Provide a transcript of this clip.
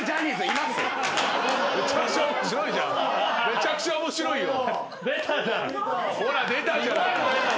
めちゃくちゃ面白いよ。